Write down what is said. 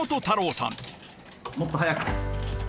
もっと速く。